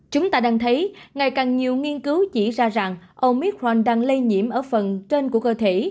chúng ta đang thấy ngày càng nhiều nghiên cứu chỉ ra rằng omitrank đang lây nhiễm ở phần trên của cơ thể